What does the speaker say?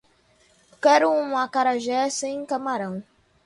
Quero um acarajé sem camarão